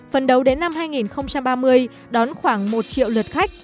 phần đầu đến năm hai nghìn ba mươi đón khoảng một triệu lượt khách